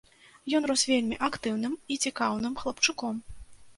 Ён рос вельмі актыўным і цікаўным хлапчуком.